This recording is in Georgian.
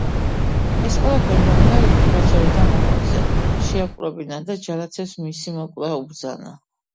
ეს ყველაფერი რომ გაიგო, გაჯავრდა მოყმეზე, შეაპყრობინა და ჯალათებს მისი მოკვლა უბრძანა.